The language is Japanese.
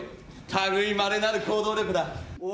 たぐいまれなる行動力だ。